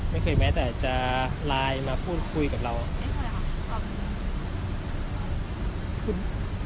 ไม่เคยแม้แต่จะไลน์มาพูดคุยกับเราไม่เคยครับครับ